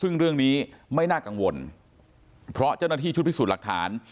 ซึ่งเรื่องนี้ไม่น่ากังวลเพราะเจ้าหน้าที่ชุดพิสูจน์หลักฐาน